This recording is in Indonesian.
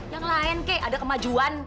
yang lain kek ada kemajuan